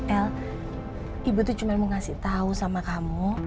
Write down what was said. el ibu tuh cuma mau ngasih tahu sama kamu